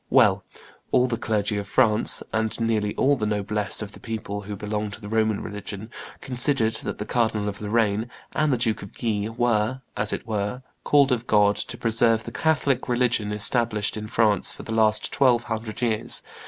Well, all the clergy of France, and nearly all the noblesse and the people who belonged to the Roman religion, considered that the Cardinal of Lorraine and the Duke of Guise were, as it were, called of God to preserve the Catholic religion established in France for the last twelve hundred years.